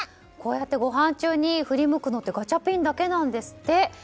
こうやってごはん中に振り向くのってガチャピンだけなんですって。